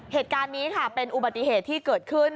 เหตุการณ์นี้ค่ะเป็นอุบัติเหตุที่เกิดขึ้น